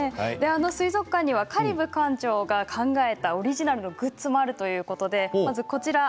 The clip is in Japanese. あの水族館では香里武館長が考えたオリジナルのグッズもあるということです。